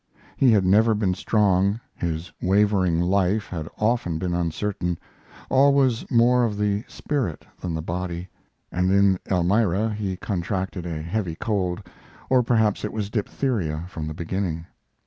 He had never been strong, his wavering life had often been uncertain, always more of the spirit than the body, and in Elmira he contracted a heavy cold, or perhaps it was diphtheria from the beginning.